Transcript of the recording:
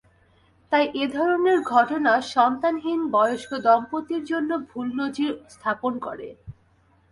তাই এ ধরনের ঘটনা সন্তানহীন বয়স্ক দম্পতির জন্য ভুল নজির স্থাপন করে।